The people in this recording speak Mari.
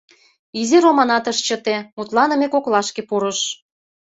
— Изи Романат ыш чыте, мутланыме коклашке пурыш.